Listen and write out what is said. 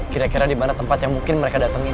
kira kira dimana tempat yang mungkin mereka datengin